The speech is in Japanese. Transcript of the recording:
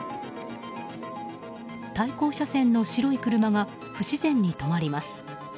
対向車線の白い車が不自然に止まります。